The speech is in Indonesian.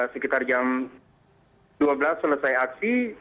sekitar jam dua belas selesai aksi